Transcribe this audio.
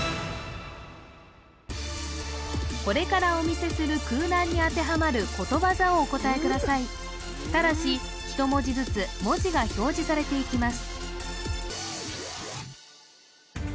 これからお見せする空欄に当てはまることわざをお答えくださいただし１文字ずつ文字が表示されていきます